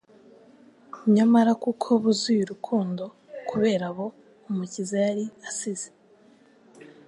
Nyamara kuko buzvye urukundo kubera abo Umukiza yari asize,